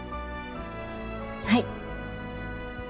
はい。